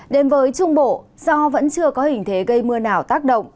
đến với trung bộ do vẫn chưa có hình thế gây mưa nào tác động